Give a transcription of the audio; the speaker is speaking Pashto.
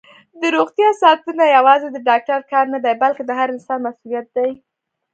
دروغتیا ساتنه یوازې د ډاکټر کار نه دی، بلکې د هر انسان مسؤلیت دی.